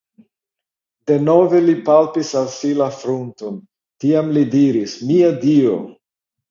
Denove li palpis al si la frunton, tiam li diris:-- Mia Dio!